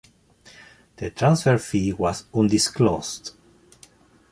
The transfer fee was undisclosed.